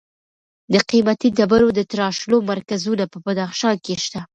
د قیمتي ډبرو د تراشلو مرکزونه په بدخشان کې شته.